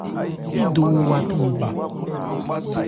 Sídowo wa thandi.